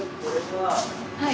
はい。